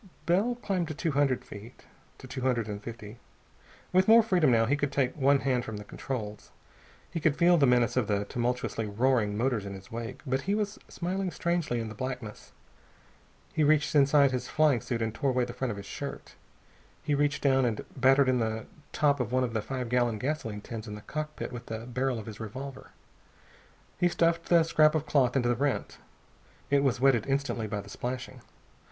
Bell climbed to two hundred feet. To two hundred and fifty. With more freedom, now, he could take one hand from the controls. He could feel the menace of the tumultuously roaring motors in his wake, but he was smiling very strangely in the blackness. He reached inside his flying suit and tore away the front of his shirt. He reached down and battered in the top of one of the five gallon gasoline tins in the cockpit with the barrel of his revolver. He stuffed the scrap of cloth into the rent. It was wetted instantly by the splashing.